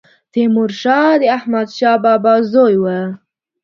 تيمورشاه د احمدشاه بابا زوی و